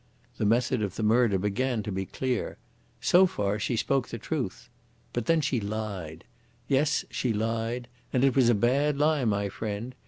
The method of the murder began to be clear. So far she spoke the truth. But then she lied. Yes, she lied, and it was a bad lie, my friend.